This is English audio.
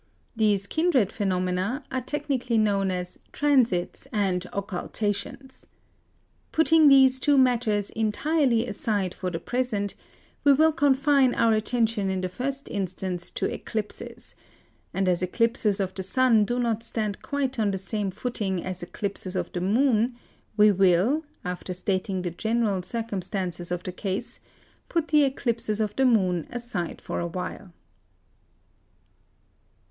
These kindred phenomena are technically known as "Transits" and "Occultations." Putting these two matters entirely aside for the present, we will confine our attention in the first instance to eclipses; and as eclipses of the Sun do not stand quite on the same footing as eclipses of the Moon, we will, after stating the general circumstances of the case, put the eclipses of the Moon aside for a while.